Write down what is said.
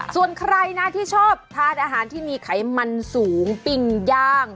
ส่วนใครนะที่ชอบทานอาหารที่มีไขมันสูงปิ้งย่าง